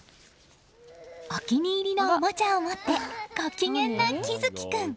お気に入りのおもちゃをもってご機嫌な葵月君。